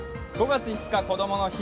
５月５日こどもの日